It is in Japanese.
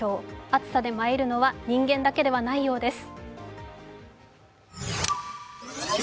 暑さでまいるのは人間だけではないようです。